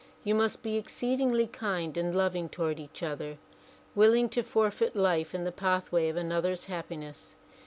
You must be exceedingly kind and loving toward each other, willing to forfeit life in the pathway of another's happiness.